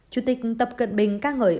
chủ tịch tập cận bình ca ngợi